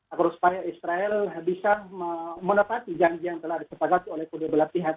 agar supaya israel bisa menepati janji yang telah disepakati oleh kedua belah pihak